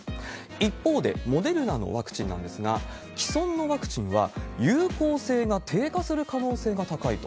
一方で、モデルナのワクチンなんですが、既存のワクチンは有効性が低下する可能性も高いと。